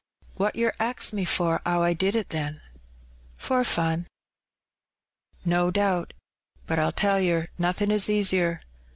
"What yer ax me for 'ow I did it, then?" " For fun." "No doubt. But, I'll tell yer, nothin' is easier.